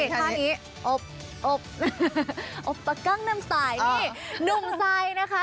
ค่ะนี้อบอบอบปะกั้งน้ำสายนี่หนุ่มไซค์นะคะ